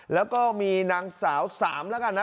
แล้วก็มีนางสาวสามแล้วกันนะ